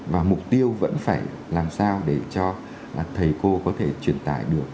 và mục tiêu vẫn phải làm sao để cho thầy cô có thể truyền tải được